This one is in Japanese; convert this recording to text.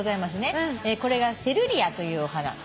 これがセルリアというお花。